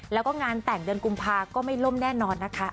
แล้วก็งานแต่งเดือนกุมภาก็ไม่ล่มแน่นอนนะคะ